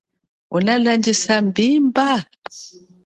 Unalandjisa mbimba?